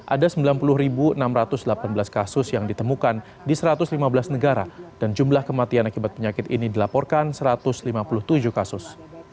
ada sembilan puluh enam ratus delapan belas kasus yang ditemukan di satu ratus lima belas negara dan jumlah kematian akibat penyakit ini dilaporkan satu ratus lima puluh tujuh kasus